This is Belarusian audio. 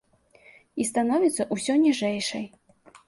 І становіцца ўсё ніжэйшай.